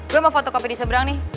gue mau foto kopi di seberang nih